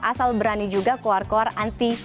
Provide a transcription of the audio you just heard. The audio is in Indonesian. asal berani juga kuar kuar antirokok